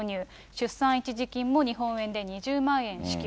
出産一時金も日本円で２０万円支給。